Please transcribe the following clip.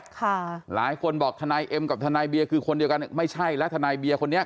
ค่ะหลายคนบอกทนายเอ็มกับทนายเบียร์คือคนเดียวกันไม่ใช่แล้วทนายเบียร์คนนี้